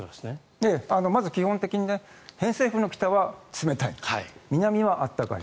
まず基本的に偏西風の北は冷たい南は暖かい。